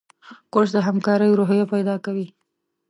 کورس د همکارۍ روحیه پیدا کوي.